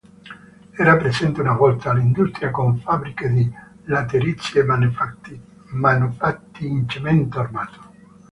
Era presente, una volta, l'industria con fabbriche di laterizi e manufatti in cemento armato.